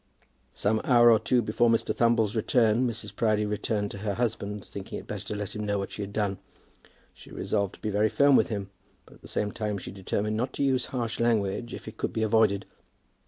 Some hour or two before Mr. Thumble's return Mrs. Proudie returned to her husband, thinking it better to let him know what she had done. She resolved to be very firm with him, but at the same time she determined not to use harsh language if it could be avoided.